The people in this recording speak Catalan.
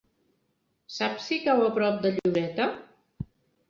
Saps si cau a prop de Lloseta?